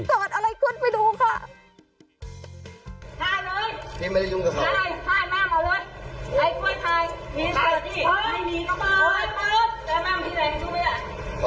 เกิดอะไรขึ้นไปดูค่ะ